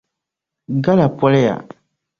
Gala poliya.